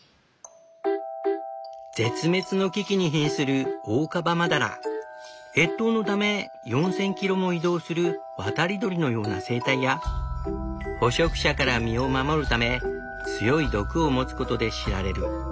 絶滅の危機にひんする越冬のため４，０００キロも移動する渡り鳥のような生態や捕食者から身を守るため強い毒を持つことで知られる。